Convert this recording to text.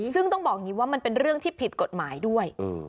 ซึ่งต้องบอกอย่างนี้ว่ามันเป็นเรื่องที่ผิดกฎหมายด้วย